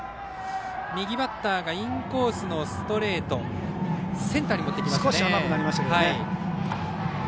右バッターがインコースのストレートセンターに持っていきました。